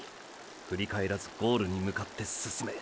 ふり返らずゴールに向かって進め。